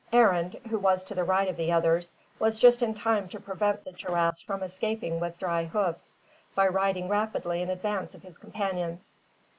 Arend, who was to the right of the others, was just in time to prevent the giraffes from escaping with dry hoofs, by riding rapidly in advance of his companions.